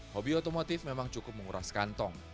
hobi otomotif memang cukup menguras kantong